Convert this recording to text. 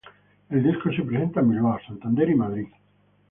El disco se presenta en Bilbao, Santander y Madrid.